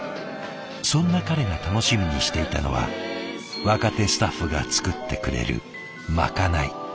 そんな彼が楽しみにしていたのは若手スタッフが作ってくれるまかない。